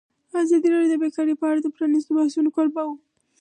ازادي راډیو د بیکاري په اړه د پرانیستو بحثونو کوربه وه.